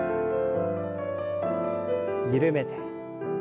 緩めて。